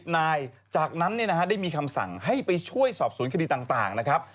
นายจากนั้นได้มีคำสั่งให้ไปช่วยสอบสวนคดีต่างนะครับ